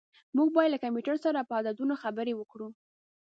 موږ باید له کمپیوټر سره په عددونو خبرې وکړو.